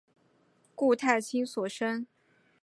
顾太清所生。